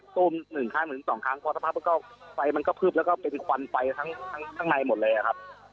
ตูมหนึ่งครั้งถึงสองครั้งพอสักพักมันก็ไฟมันก็พึบแล้วก็เป็นควันไฟทั้งข้างในหมดเลยอะครับ